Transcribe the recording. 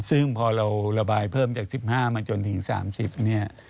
ซึ่งพอเราระบายเพิ่มจาก๑๕มาจนถึง๓๐เนี่ย